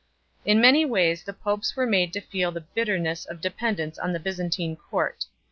In many ways the popes were made to feel the bitterness of de pendence on the Byzantine court.